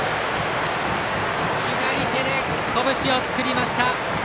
左手でこぶしを作りました。